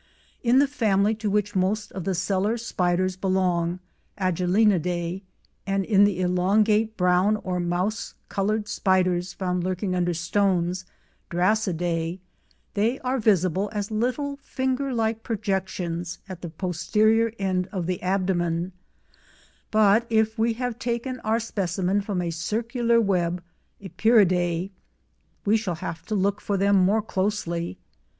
In the family to which most of the cellar spiders belong (Agelenidae) and in the elongate brown or mouse coloured spiders found lurking under stones (Drassidae) they are visible as little finger like projections at the posterior end of the abdomen, but if we have taken our specimen from a circular web (Epeiridae) we shall have to look for them more closely.